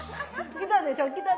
きたでしょ？